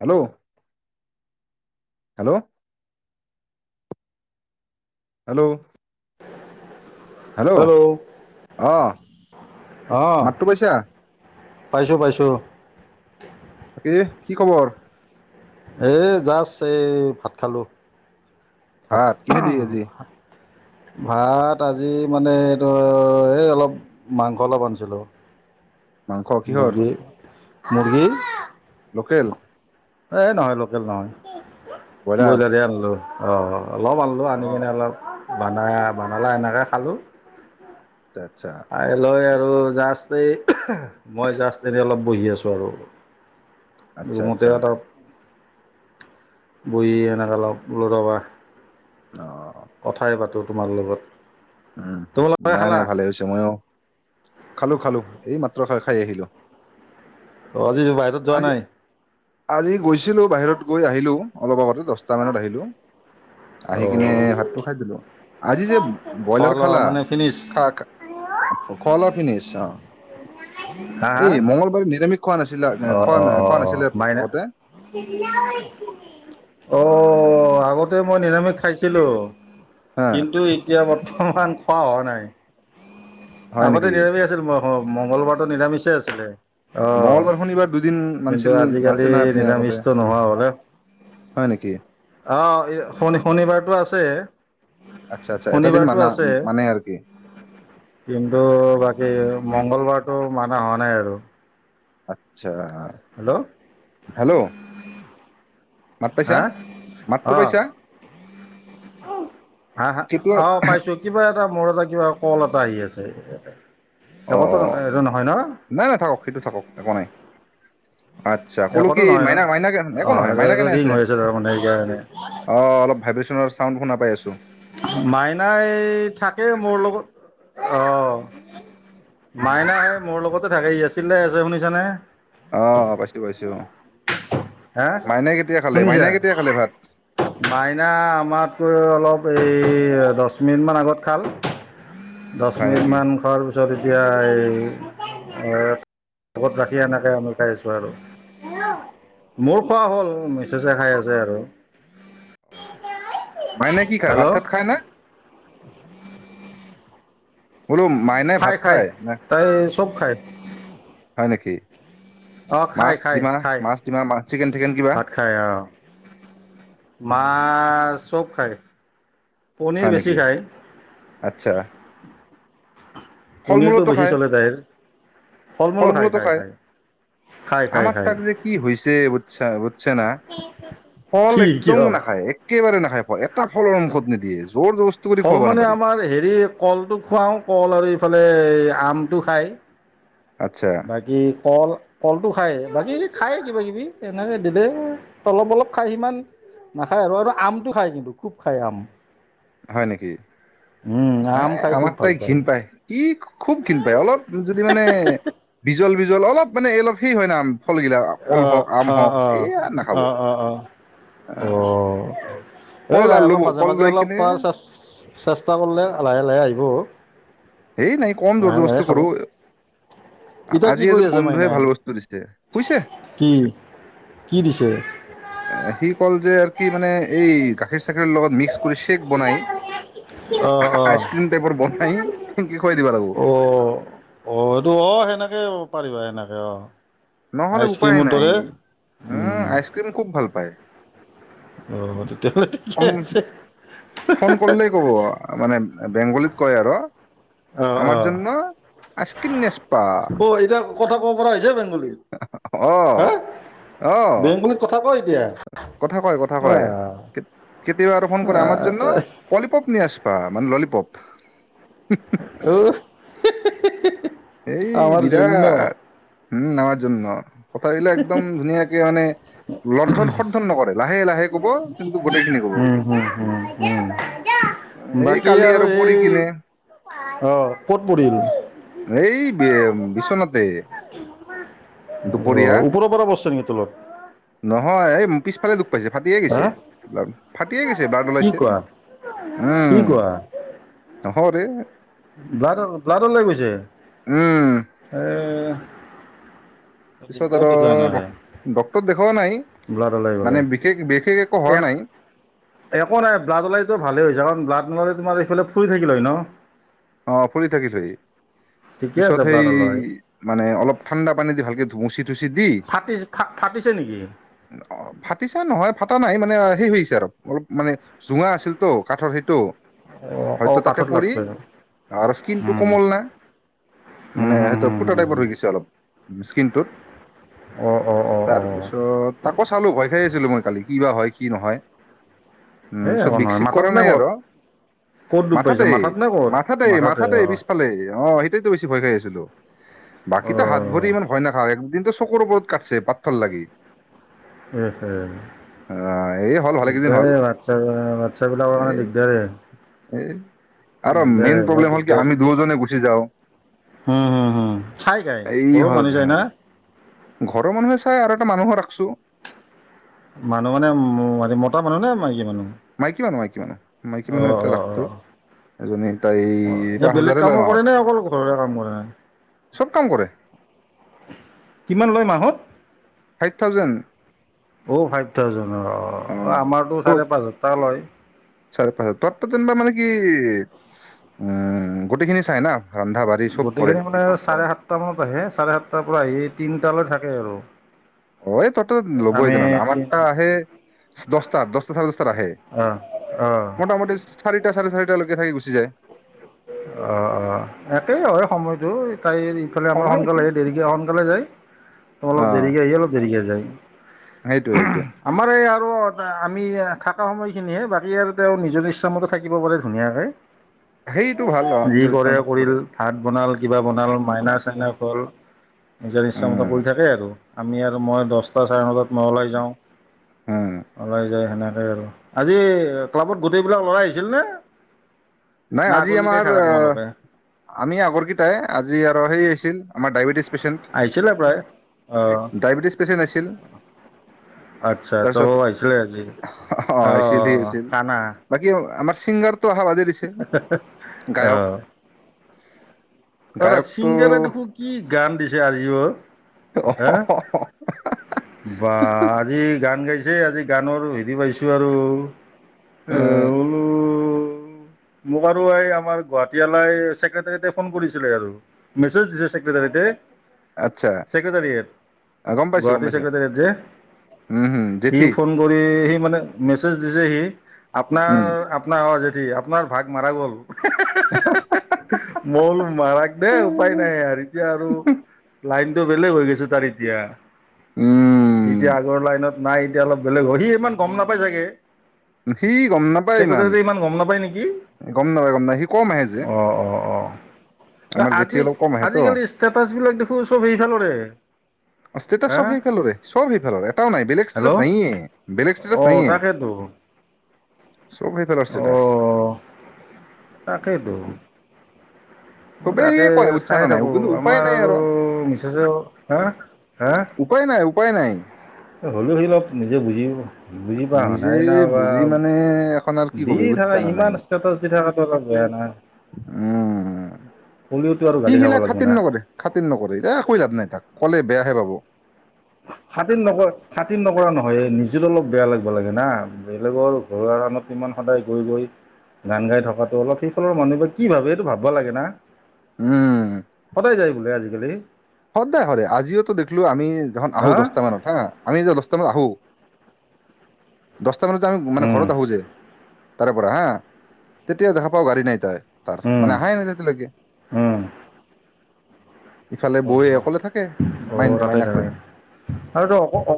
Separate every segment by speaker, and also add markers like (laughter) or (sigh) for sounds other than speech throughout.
Speaker 1: Hello, hello. Hello. Hello, অঁ
Speaker 2: অঁ
Speaker 1: মাতটো পাইছা।
Speaker 2: পাইছোঁ পাইছোঁ।
Speaker 1: ইহ কি খবৰ?
Speaker 2: এই জাষ্ট এই ভাত খালোঁ।
Speaker 1: ভাত, কিহে দি আজি?
Speaker 2: ভাত, আজি মানে এইটো এই অলপ মাংস অলপ আনিছিলোঁ।
Speaker 1: মাংস কিহৰ?
Speaker 2: মুৰ্গী মুৰ্গী
Speaker 1: লোকেল
Speaker 2: এই নহয় লোকেল নহয়।
Speaker 1: ব্ৰইলাৰ
Speaker 2: ব্ৰয়লাৰে আনলো। অঁ অঁ। অলপ আনলো আনি
Speaker 1: অ
Speaker 2: কিনে অলপ। বনা বনালা, এনেকা খালোঁ।
Speaker 1: আচ্ছা আচ্ছা
Speaker 2: কাইলৈ। আৰু জাষ্ট এই মই জাষ্ট এনেই অলপ বহি আছোঁ আৰু।
Speaker 1: আচ্ছা
Speaker 2: ৰুমতে
Speaker 1: আচ্ছা
Speaker 2: এটা। বহী এনেকা, অলপ লৰাবা।
Speaker 1: অ
Speaker 2: কথাই পাতোঁ। তোমাৰ লগত।
Speaker 1: উম
Speaker 2: তোমালোকে
Speaker 1: নাই নাই
Speaker 2: খালা
Speaker 1: ভালে হৈছে ম খালোঁ খালোঁ, এই মাত্ৰ খাই খাই আহিলোঁ।
Speaker 2: অ, আজি বাহিৰত যোৱা নাই।
Speaker 1: আজি গৈছো। আছিলোঁ বাহিৰত গৈ আহিলোঁ, অলপ আগতে দহট মানত আহিলো।। আহি কিনে,
Speaker 2: অ'
Speaker 1: ভাতটো খাই দিলো। আজি যে।
Speaker 2: খোৱা
Speaker 1: ব্ৰইলাৰ
Speaker 2: লোৱা
Speaker 1: খালা
Speaker 2: মানে ফিনিছ
Speaker 1: খা। কল পিনিছা। এই মঙ্গলবাৰে নিৰমিষ
Speaker 2: অ অ অ অ মাইনা
Speaker 1: আগতে
Speaker 2: অ। আগতে মই নিৰামিষ খাইছিলোঁ।
Speaker 1: হা
Speaker 2: কিন্তু এতিয়া বত- (unintelligible) খোৱা হোৱা নাই।
Speaker 1: হয়
Speaker 2: আগতে
Speaker 1: নেকি?
Speaker 2: দেৰি (unintelligible) আছিল মই। অ মঙ্গলবাৰতটো নিৰামিষেই আছিলে। অ
Speaker 1: মঙ্গলবাৰ শনিবাৰ দুদিন
Speaker 2: কিন্তু
Speaker 1: মানছিল
Speaker 2: আজিকালি
Speaker 1: মানছিল নহয় আপুনি আগতে
Speaker 2: নিৰামিষটো নোহোৱা হলে,
Speaker 1: হয় নেকি?
Speaker 2: আহ শ শনিবাৰতটো আছে
Speaker 1: আচ্ছা আচ্ছা এটা দিন
Speaker 2: শনিবাৰটো
Speaker 1: মানা
Speaker 2: আছে।
Speaker 1: মানে আৰু কি
Speaker 2: কিন্তু বাকী মঙ্গলবাৰতটো মানা হোৱা নাই আৰু।
Speaker 1: আচ্ছা। আচ্ছা
Speaker 2: হেল্ল'
Speaker 1: হেল্লো, মাত পাইছা,
Speaker 2: হা
Speaker 1: মাতটো
Speaker 2: অঁ
Speaker 1: পাইছা।
Speaker 2: হা হা,
Speaker 1: কেতিয়া
Speaker 2: অ পাইছো কিবা এটা। মোৰ এটা কিবা, কল এটা আহি আছে।
Speaker 1: অ
Speaker 2: একোতো এইটো নহয় ন
Speaker 1: নাই নাই থাকক, সেইটো থাকক একো নাই। আচ্ছা, কলো কি
Speaker 2: একোতো নহয় ন
Speaker 1: মাইনা মাইনা কে একো
Speaker 2: অঁ
Speaker 1: নহয়,
Speaker 2: এইটো
Speaker 1: মাইনা
Speaker 2: এইটো
Speaker 1: কেনে
Speaker 2: ৰিং
Speaker 1: আছে
Speaker 2: হৈ তাৰমানে সেইকাৰণে
Speaker 1: অ অলপ ভাবিছিল। (unintelligible)
Speaker 2: মাইনাই, থাকেই মোৰ লগত অঁ মাইনা সে মোৰ লগতে থাকে এ চিল্লাই আছে শুনিছানে?
Speaker 1: অঁ পাইছোঁ পাইছোঁ।
Speaker 2: হাহ, শুনিছা,
Speaker 1: মাইনাই কেতিয়া খালে ভাত
Speaker 2: মাইনা, আমাতকৈ অলপ এই দশ মিনিটমান আগত খাল দশ
Speaker 1: হয় নেকি?
Speaker 2: মিনিটমান খোৱাৰ পিছত এতিয়া এই, লগত ৰাখি এনেকৈ আমি খাই আছোঁ আৰু।
Speaker 1: অ,
Speaker 2: মোৰ খোৱা হ'ল, মিছেছে খাই আছে আৰু।
Speaker 1: মাইনাই কি খায় ভাত
Speaker 2: হেল্ল'
Speaker 1: তাত খায় নে? বোলো মাইনাই
Speaker 2: খাই
Speaker 1: ভাত খায়?
Speaker 2: তাই চব খাই।
Speaker 1: হয় নেকি?
Speaker 2: অঁ খাই
Speaker 1: মাছ
Speaker 2: খাই
Speaker 1: ডিমা
Speaker 2: খাই,
Speaker 1: মাছ ডিমা মা চিকেন টিকেন কিবা
Speaker 2: ভাত খাই অঁ মাছ, চব খায়। পনীৰ
Speaker 1: হয়
Speaker 2: বেছি
Speaker 1: নেকি
Speaker 2: খায়। পনীৰটো
Speaker 1: ফল-মূলতও
Speaker 2: বেছি
Speaker 1: খায়,
Speaker 2: চলে তাইৰ
Speaker 1: ফল-মূলতও খায়।
Speaker 2: খায় খায়
Speaker 1: আমাক
Speaker 2: খায়
Speaker 1: তাক যে কি হৈছে বুজছ বুজছা না, ফল
Speaker 2: কি
Speaker 1: একদম
Speaker 2: কিয়
Speaker 1: নাখায় একেবাৰে নাখা খায় পোৱা নাই এটা ফলও মুখত নিদিয়ে এইজ
Speaker 2: ফল মানে আমাৰ হেৰি কলটো খুৱাও কল আৰু এইফালে লে আমটো খাই।
Speaker 1: আচ্ছা
Speaker 2: বাকী কল কলটো খায় বাকী খায়েই কিবাকিবি এনেকৈ দে অলপ অলপ খায় সিমান নাখায় আৰু আৰু আমটো খায় কিন্তু খুব খায় আম।
Speaker 1: হয় নেকি এ
Speaker 2: আম খাই খুব
Speaker 1: আমাৰ
Speaker 2: ভাল
Speaker 1: তাই ঘৃণ পায় কি খুব ঘৃণ পায় অলপ যদি মানে বিজল বিজল অলপ মানে অলপ সেই হয় নাম কলগিলাক কল হওক
Speaker 2: অ', অ',
Speaker 1: আম হওক
Speaker 2: অ',
Speaker 1: এইয়াৰ নাখাব। অ
Speaker 2: অ',
Speaker 1: (unintelligible)
Speaker 2: অ', এই নাই অলপ মাজে মাজে অলপ খোৱাৰে চেষ্টা কৰিলে লাহে লাহে আহিব। হয় (unintelligible)
Speaker 1: এই নাই কম জৰ জবৰজচটি কৰো,
Speaker 2: এতিয়া কি
Speaker 1: আজি
Speaker 2: কৰি
Speaker 1: এজন
Speaker 2: আছে
Speaker 1: বন্ধুৱে
Speaker 2: মাইনাই
Speaker 1: ভাল বস্তু দিছে। শুইছে
Speaker 2: কি কি দিছে?
Speaker 1: সি কল যে আৰু কি মানে এই গাখীৰ চ চাক লগত মিক্স কৰি শেক বনাই।
Speaker 2: অ', অ',
Speaker 1: আইচক্ৰিম টাইপৰ বনাই। সেনকে খুৱাই দিবা লাগিব
Speaker 2: অ অ এইটো অ সেনেকে পাৰিবা এনেকে অ
Speaker 1: নহ'লে উপায়
Speaker 2: আইচক্ৰীমৰ
Speaker 1: নাই
Speaker 2: দৰে
Speaker 1: উম আইচক্ৰীম খুব ভাল পায়
Speaker 2: অ', তেতিয়াহ'লে ঠিকে
Speaker 1: অম
Speaker 2: আছে
Speaker 1: ফোন কৰিলেই ক'ব মানে বেংগলীত কয় আৰু
Speaker 2: অ',
Speaker 1: আমাৰ
Speaker 2: অ',
Speaker 1: জন্য আইচক্ৰীম (unintelligible)
Speaker 2: অ এ কথা কবা পৰা হৈছে বেংগলীত
Speaker 1: অ
Speaker 2: হা
Speaker 1: অ
Speaker 2: বেংগলীত কথা ক এতিয়া
Speaker 1: কথা কয় কথা কয়
Speaker 2: বাহ।
Speaker 1: কেতিয়াবা আৰু ফোন কৰে আমাৰ জন্য পলিপপ নি আছ া মানে ললিপপ
Speaker 2: অ হি হি (unintelligible)
Speaker 1: এই বিৰা উম আমাৰ জন্য কথাবিলাক একদম ধুনীয়াকে মানে (unintelligible) নকৰে লাহে লাহে ক'ব গোটেইখিনি কব এই
Speaker 2: বাকী
Speaker 1: কালি
Speaker 2: আৰু
Speaker 1: পৰি
Speaker 2: এই
Speaker 1: কিনে
Speaker 2: অ ক'ত পৰিল।
Speaker 1: এই বিচনাতে।
Speaker 2: অ
Speaker 1: দুপৰীয়া
Speaker 2: ওপৰৰ পৰা পৰছে নেকি তলত।
Speaker 1: নহয় এই পিছফালে দোষ। পাইছে ফাটিয়ে গেছে।
Speaker 2: হা
Speaker 1: গেছে বাল্ড
Speaker 2: কি
Speaker 1: ওলাইছে
Speaker 2: কোৱা কি
Speaker 1: উম। হয়।
Speaker 2: বল্ডলৈ গৈছে।
Speaker 1: উম
Speaker 2: এ।
Speaker 1: পিছত
Speaker 2: দিগদাৰ
Speaker 1: আৰু
Speaker 2: দেখুৱাই এনেকে
Speaker 1: ডক্টৰ দেখ।
Speaker 2: ব্লাড ওলাই গলে
Speaker 1: বিশেষ একো হোৱা
Speaker 2: এক
Speaker 1: নাই
Speaker 2: একো নাই ব্লাড ওলাইতো ভালে হৈছে কাৰণ ব্লাড নল। তোমাৰ এইফালে ফুলি থাকিল হয় ন।
Speaker 1: অ ফুলি থাকিল হয়
Speaker 2: ঠিকে
Speaker 1: পিছত
Speaker 2: আছে
Speaker 1: সেই
Speaker 2: ব্লাড ওলাই
Speaker 1: মানে অলপ ঠাণ্ডা পানী দি ভালকে ধুমচি মুচী দি
Speaker 2: ফাটিছে ফাটিছে নেকি
Speaker 1: ফাটিছে নহয় বাত। কটা নাই মানে সেই হৈছে আৰু অলপ মানে জোঙা আছিলতো কাঠৰ সেইটো।
Speaker 2: অ অ
Speaker 1: হয়তো তাতে
Speaker 2: কাঠত
Speaker 1: পৰি
Speaker 2: লাগছে।
Speaker 1: আৰু স্কিন টো
Speaker 2: উম
Speaker 1: কোমল না
Speaker 2: হুম
Speaker 1: মানে
Speaker 2: হুম
Speaker 1: সেইটো
Speaker 2: হুম
Speaker 1: ফুটা
Speaker 2: হুম
Speaker 1: টাইপৰ
Speaker 2: হুম
Speaker 1: হৈ গৈছে অলপ। স্কিনটোত।
Speaker 2: অঁ অঁ অঁ
Speaker 1: তাৰ
Speaker 2: অঁ
Speaker 1: পিছত তাকো চালো ভয় খাই আছিলো মই কালি। কি বা হয় কি নহয়। উম
Speaker 2: এ
Speaker 1: পিছত
Speaker 2: একো
Speaker 1: বিষ
Speaker 2: নহয়
Speaker 1: চিক
Speaker 2: মাথাত
Speaker 1: কৰা
Speaker 2: নে
Speaker 1: নাই
Speaker 2: ক'ত
Speaker 1: আৰু
Speaker 2: ক'ত দুুব পাইছে
Speaker 1: মাথাতে
Speaker 2: মাথাত নে ক'ত।
Speaker 1: মাথাতে মাথাাতে পিছফালে অ সেইটাইতো বেছি ভয় খাই আছিলো। বাকীতো হাত ভৰি
Speaker 2: অঁ
Speaker 1: ইমান ভয় নাখাওঁ একদিন। চকুৰ ওপৰত কাটছে পাথৰ লাগি। অ এই হ'ল ভালেকেইদিন
Speaker 2: দিগদাৰ
Speaker 1: হ'ল
Speaker 2: হোৱাটছপ হোৱাটছএপ বিলাকৰ
Speaker 1: এই
Speaker 2: কাৰানে দিগদাৰেই।
Speaker 1: এই আৰু
Speaker 2: দিগদাৰেই
Speaker 1: মেইন প্ৰব্লেম হল কি আমি দুজনে। গুচি যাওঁ।
Speaker 2: হম হুম হুম চাই গাই
Speaker 1: এই
Speaker 2: সৰুৰ
Speaker 1: হ'ল
Speaker 2: মানুহ যায় না।
Speaker 1: ঝেমেলা ঘৰৰ মানুহে চাই আৰু এটা মানুহো ৰাখছোঁ।
Speaker 2: মানুহ মানে মতা মানুহ নে মাইকী মানুহ
Speaker 1: মাইকী মানুহ মাইকী মানুহ মাইকী মানুহ
Speaker 2: অঁ
Speaker 1: এটা
Speaker 2: অঁ
Speaker 1: ৰাখটো
Speaker 2: অঁ
Speaker 1: এজনী তাই
Speaker 2: অঁ এই
Speaker 1: পাঁচ
Speaker 2: বেলেগ
Speaker 1: হাজাৰ লয়
Speaker 2: কামো
Speaker 1: মাহত
Speaker 2: কৰেনে অকল ঘৰৰে কাম কৰে
Speaker 1: চব। কাম কৰে।
Speaker 2: কিমান লয় মাহত।
Speaker 1: ফাইভ থাউজেন্দ,
Speaker 2: অঁ ফাইভ থাউজেণ্ড
Speaker 1: অ
Speaker 2: অঁ আমাৰতো চাৰে পাঁচ হাজাৰ টকা লয়
Speaker 1: যেনা মানে কি উ (unintelligible) গোটেইখিনি চাই না, ৰন্ধা বাঢ়ি চব কৰে
Speaker 2: গোটেইখিনি মানে চাৰে সাতটা মানত আহে, চাৰে সাতটাৰ পৰা আহি- তিনিটালৈ থাকে আৰু।
Speaker 1: অ এই তত ল'ব‌ই
Speaker 2: আমি
Speaker 1: তেনেহ'লে,
Speaker 2: তি
Speaker 1: আমাৰটা আহে দছটাৰ দছটা চাৰে দছটাত আহে।
Speaker 2: অঁ অঁ
Speaker 1: মোটামুটি চাৰি টা চাৰে চাৰিটা লৈকে থাকি গুচি যায়।
Speaker 2: অ অ একেই হয় সময়টো। তাইৰ ইফালে আমাৰ
Speaker 1: সময়
Speaker 2: সোনকালে
Speaker 1: একে
Speaker 2: আহি দেৰিকৈ সোনকালে যায়।
Speaker 1: অ
Speaker 2: অলপ দেৰিকৈ আহি অলপ দেৰিকৈ যায়।
Speaker 1: সেইটোৱে সেইটোৱে
Speaker 2: আমাৰ এই আৰু আমি থকা সময়খিনিহে বাকী আৰু তেওঁ নিজৰ ইচ্ছামতে থাকিব পাৰে ধুনীয়াকে
Speaker 1: সেইটো ভাল অ
Speaker 2: যি
Speaker 1: নিজৰ ইচ্ছা
Speaker 2: কৰে
Speaker 1: মতে থাকিব
Speaker 2: কৰিল,
Speaker 1: পাৰে
Speaker 2: ভাত বনাল। কিবা বনাল মাইনা চাইনা হ'ল। নিজাৰ ইচ্ছামতো
Speaker 1: উম
Speaker 2: কৰি থাকে আৰু। আমি আৰু মই দছটা চাৰে নটাত মানত ওলাই
Speaker 1: উম
Speaker 2: যাওঁ। ওলাই যায় সেনে আজি ক্লাবত গোটেইবিলাক লৰা আহিছিল নে?
Speaker 1: নাই
Speaker 2: না
Speaker 1: আজি
Speaker 2: আগৰকেইটাই
Speaker 1: আমাৰ
Speaker 2: থাকা তোমালোকে
Speaker 1: আমি আগৰকেইটাই। আজি আৰু সেই আছিল। আমাৰ ডায়াবেটিস
Speaker 2: আহিছিলে প্ৰায় অ'হ
Speaker 1: ডায়েবেটিছ পেচেণ্ট আহিছিল
Speaker 2: আচ্ছা! চব
Speaker 1: তাৰপিছত
Speaker 2: আহিছিলে আজি,
Speaker 1: অ
Speaker 2: অ'হ কানা।
Speaker 1: সিংগাৰটো অহা বাদে দিছে
Speaker 2: (unintelligible)
Speaker 1: গায়ক
Speaker 2: অ। অৌৰ
Speaker 1: গায়কটো
Speaker 2: চিংগাৰে দেখো কি গান দিছে আজিও।
Speaker 1: (unintelligible)
Speaker 2: বা আজি গান গাইছেই আজি। গানৰো হেৰি পাইছোঁ আৰু। (unintelligible) বোলো মোক আৰু ঐ, আমাৰ গুৱাহাটীৱালাই ছেক্ৰেটেৰিএতে ফোন কৰিছিলে আৰু মেচেজ দিছে চেক্ৰেটেৰিএতে।
Speaker 1: আচ্ছা! গম পাইছোঁ, গম পাইছোঁ।
Speaker 2: চেক্ৰেটেৰীত যে সি
Speaker 1: জেঠি
Speaker 2: ফোন কৰি সি মানে মেচজ দিছে সি। আপোনাৰ,
Speaker 1: উম
Speaker 2: আপোনাৰ অ'হ আপোনাৰ ভাগ মাৰা গ'ল। মই বোলোঁ, মাৰাক দেই। উপায় নাই আৰ এতিয়া আৰু, লাইন বেলেগ হৈ গিছে তাৰ এতিয়া।
Speaker 1: উম।
Speaker 2: সি এতিয়া আগৰ লাইনত নাই এতিয়া অলপ বেলেগ হয়। সি ইমান গম নাপাই চাগে।
Speaker 1: সি গম নাপায়
Speaker 2: ছেক্ৰেটাৰীতে ইমান গম নাপায় নেকি?
Speaker 1: গম নাপায় গম নাপায় সি কম আহে যে
Speaker 2: অ' অ' অ',
Speaker 1: আমাৰ জেঠি অলপ কম আহে তো
Speaker 2: আজিকালি ষ্টেটাছবিলাক দেখো-ছব সেই ফালৰএ
Speaker 1: ষ্টেটাচ
Speaker 2: হা
Speaker 1: চব সেইফালৰে চব সেইফালৰ, এটাও নাই। বেলেগ ষ্টেটাছ
Speaker 2: হেল্ল'
Speaker 1: নাইয়ে বেলেগ ষ্টেটাছ নাইয়ে। চব সেইফালৰ
Speaker 2: অ
Speaker 1: ষ্টেটাচ
Speaker 2: তাকেইটো। মই
Speaker 1: চবেই
Speaker 2: তাকে
Speaker 1: সিয়ে কয় উচ্চানো
Speaker 2: চাইে
Speaker 1: নাই কিন্তু
Speaker 2: থাকোঁ-
Speaker 1: উপায়
Speaker 2: আমাৰ
Speaker 1: নাই
Speaker 2: আৰু মিছেছেও হাঃ হাঃ
Speaker 1: উপায় নাই উপায় নাই।
Speaker 2: অ হ'লেও সিগিলা নিজে বুজি পাব।
Speaker 1: নিজে বুজি মানে এখন আৰু কি
Speaker 2: দি
Speaker 1: কবি,
Speaker 2: থকা
Speaker 1: বুটছা না নাই?
Speaker 2: ইমান ষ্টেটাছ দি থকাটো অলপ বেয়া না
Speaker 1: উম,
Speaker 2: হ'লেওতো আৰু
Speaker 1: সি
Speaker 2: গালি খাব
Speaker 1: সিবিলাক
Speaker 2: লাগিব
Speaker 1: খাতিৰ
Speaker 2: না
Speaker 1: নকৰে, খাতিৰ নকৰে। এ কই লাভ নাই, তাক ক'লে বেয়াহে পাব।
Speaker 2: খাতিৰ নকৰে, খাতিন নকৰা নহয়! য়ে নিজৰও অলপ বেয়া লাগব লাগে না। বেলেগৰ ঘৰুৱা কামত ইমান সদায় গৈ গৈ গান গাই থকাটো অলপ সেইফালৰ মানুহে বা কি ভাবে, সেইটো ভাববা লাগে না।
Speaker 1: উম
Speaker 2: সদায় যায়। বোলে আজিকালি।
Speaker 1: সদায় কৰে, আজিওতো দেখলো আমি। যিদিনা খন আহোঁ
Speaker 2: হা
Speaker 1: দছতামানত হা, আমি যে দছটামানত আহোঁ দছ মানত জাং মানে
Speaker 2: উম
Speaker 1: ঘৰত আহো যে তাৰে পৰা হা, তেতিয়া দেখা পাওঁ গাড়ী নাই তাই তাৰ
Speaker 2: উম
Speaker 1: মানে আহাই নাই যেতিয়ালেকে।
Speaker 2: উম
Speaker 1: চালে বৌ
Speaker 2: অ'
Speaker 1: অকলে থাকে মাইন
Speaker 2: অ' তাতে
Speaker 1: মাইনাক
Speaker 2: থাকে
Speaker 1: লৈ।
Speaker 2: আৰু ত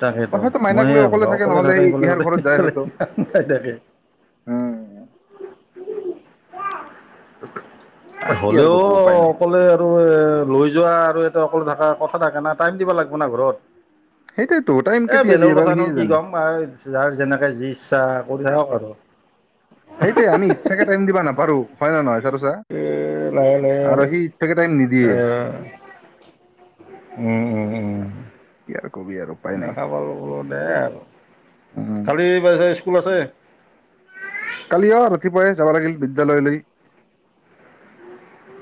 Speaker 2: তাকেতো
Speaker 1: হয়তো
Speaker 2: মই
Speaker 1: মাইনাক
Speaker 2: সে
Speaker 1: লৈ
Speaker 2: বোলো অকলে
Speaker 1: নহলে
Speaker 2: থাকে
Speaker 1: সি
Speaker 2: সফালে
Speaker 1: ইহাৰ
Speaker 2: তাতে
Speaker 1: ঘৰত যায়
Speaker 2: সফালে
Speaker 1: হয়তো
Speaker 2: পাই থাকে।
Speaker 1: উম
Speaker 2: ত
Speaker 1: আর
Speaker 2: (unintelligible)
Speaker 1: কি আর
Speaker 2: হলেও
Speaker 1: করবে উপায় নেই
Speaker 2: অকলে আৰু এ লৈ যোৱা আৰু এটা অকলো থকা কথা থাকা না টাইম দিব লাগিব না ঘৰত।
Speaker 1: সেইটাই তো টাইম
Speaker 2: এ
Speaker 1: কেতিয়া দিয়ে
Speaker 2: বেলেগৰ
Speaker 1: বা
Speaker 2: কথানো
Speaker 1: সিয়ে
Speaker 2: কি
Speaker 1: জানে
Speaker 2: ক'ম আৰু যাৰ যেনেকে যি ইচ্ছা কৰি থাকক আৰু।
Speaker 1: সেইটোৱে আমি ইচ্ছাকে টাইম দিবা না- কৰু হয় নে নহয়? চাৰোচা
Speaker 2: এ লাহে লাহে আৰু
Speaker 1: সি ইচ্ছাকে টাইম নিদিয়ে
Speaker 2: এ উম উম উম
Speaker 1: কি আৰু কবি আৰু উপায় নাই
Speaker 2: দেখা পাল দে আৰু
Speaker 1: উম,
Speaker 2: কালি পাই স্কুল আছে,
Speaker 1: কালি অ ৰাতিপুৱাই যাবা লাগিল বিদ্যালয়লৈ।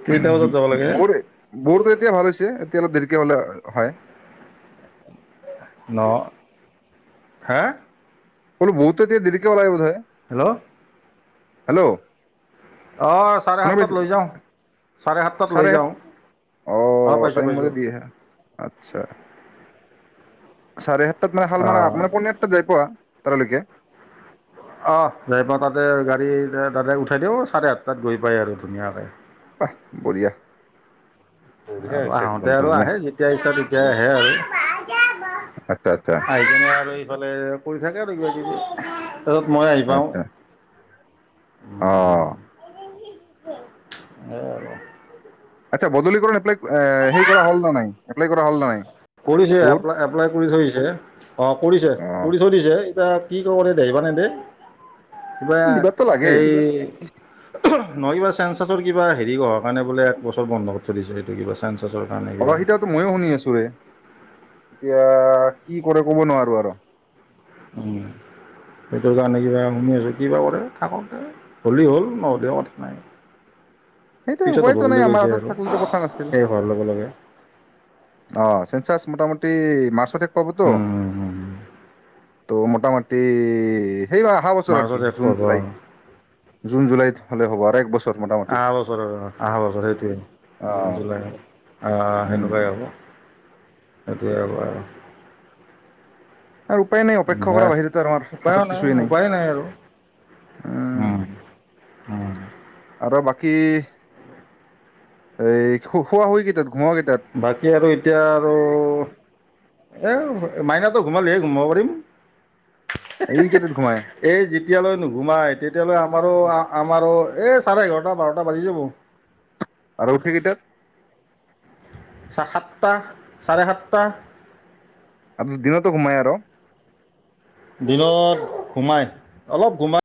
Speaker 2: কেইটা বজাত যাব লাগে
Speaker 1: বোৰ বোৰটো এতিয়া ভাল হৈছে। তে অলপ দেৰিকে হ'লে হয়।
Speaker 2: ন, হে?
Speaker 1: বো বহুত এতিয়া দেৰিকে ওলাল বোধ হয়।
Speaker 2: হেল্ল'
Speaker 1: হেল্ল'
Speaker 2: অঁ চাৰে
Speaker 1: শুনা
Speaker 2: সাতটাত
Speaker 1: পাইছে
Speaker 2: লৈ যাওঁ চাৰে সাত
Speaker 1: চাৰে সাত অ টাইম মাজে
Speaker 2: পাইছোঁ
Speaker 1: দিয়ে আহে আচ্ছা চাৰে আঠ তাত মে হাল মাল
Speaker 2: অঁ
Speaker 1: মান পণাৰাত তাত যাই পোৱা তাৰলৈকে
Speaker 2: আহ ন তাতে গাড়ী তাতে উঠাই দিওঁ চাৰে আাঠটাত গৈ পাই আৰু ধুনীয়াকে
Speaker 1: আহ বঢ়িয়া বঢ়িয়া
Speaker 2: আৰু
Speaker 1: হৈছে একদম
Speaker 2: আহোতে আৰু
Speaker 1: ধুনীয়া
Speaker 2: আহে যেতিয়া ইচ্ছা তেতিয়াই আহে আৰু
Speaker 1: আচ্ছা আচ্ছা
Speaker 2: আহি কিনে আৰু ইফালে কৰি থাকে আৰু কিবাকিবি তাৰপিছত মই আহি পাওঁ
Speaker 1: আচ্ছা অ
Speaker 2: অ
Speaker 1: আচ্ছা বদলীকৰণ এপ্লাই এ হেৰি কৰা হল ন নাই এপ্লাই কৰা হ'ল নে নাই
Speaker 2: কৰিছে এপ
Speaker 1: বোৰ
Speaker 2: এপ্লাই কৰি থৈছে অ কৰিছে
Speaker 1: অ
Speaker 2: কৰি থৈ দিছে কি কব দে দেহিবানে দে কিবা
Speaker 1: দিবাতো লাগে
Speaker 2: সেই নহ কিবা চেঞ্চাছৰ কা হেৰি অহাৰ কাৰণে বোলে এক বছৰ বন্ধত ধৰিছে স এইটো কিবা চেন
Speaker 1: অহ সিতাতো ময়ো শুনি আছো ৰে এতিয়া কি কৰে ক'ব নোৱাৰো আৰু
Speaker 2: সেইটোৰ কাৰণে কিবা শুনি আছোঁ কিবা কৰে থাকক দে হ'লেই হ'ল নহ'লে কথা নাই।
Speaker 1: সেইটো
Speaker 2: পিছত হ'ব
Speaker 1: সবাইতো নাই
Speaker 2: বুলি
Speaker 1: আমাৰ
Speaker 2: কৈছে
Speaker 1: হাতত
Speaker 2: আৰু
Speaker 1: থাকো কথা নাছিল।
Speaker 2: শেষ হোৱাৰ লগে লগে
Speaker 1: অ চেঞ্চাছ মোটামতি ই মাচতে (unintelligible) পাবতো
Speaker 2: উম, উম, উম,
Speaker 1: তো মোটামুটি সেইবাৰ অহা বছৰ আৰু কি
Speaker 2: মাৰ্চত শেষ
Speaker 1: জুন
Speaker 2: পাব
Speaker 1: জুলাই জুন জুলাইত হ'লে হ'ব আৰু এক বছৰ মোটামুতি
Speaker 2: অহা বছৰ অহা বছৰ সেইটোৱে জুন জুলাই অ
Speaker 1: উম
Speaker 2: সেনেকুৱাই হ'ব এতিয়া
Speaker 1: আৰু উপায় নাই অপেক্ষা
Speaker 2: দে
Speaker 1: কৰাৰ বাহিৰেতো আমাৰ
Speaker 2: উপায়ো
Speaker 1: হাতত কিছুেই নাই
Speaker 2: উপায় আৰু
Speaker 1: উ
Speaker 2: উম, উম,
Speaker 1: আৰু বাকী এই খোৱা শুৱা কেইটা
Speaker 2: বাকী আৰু এতিয়া আৰু এ মাইনাটো ঘোমালেহে ঘোমাব পাৰিম। হে হে
Speaker 1: এই কেইটাত ঘুমাই
Speaker 2: হে এই যেতিয়ালৈ নুঘুমাই তেতিয়ালৈ আমাৰো আ- আমাৰো এই চাৰে এঘাৰটা বাৰটা বাজি যাব।
Speaker 1: আৰু উঠে কেইটাত?
Speaker 2: সাতটা চাৰে সাতটা।
Speaker 1: দিনতো ঘুমায় আৰ?
Speaker 2: দিনত ঘোমাই অলপ ঘোমাই